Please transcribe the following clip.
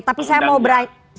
tapi saya mau beralih ke